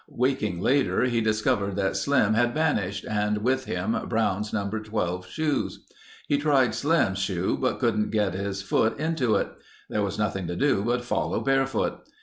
Waking later, he discovered that Slim had vanished and with him, Brown's number 12 shoes. He tried Slim's shoe but couldn't get his foot into it. There was nothing to do but follow barefoot.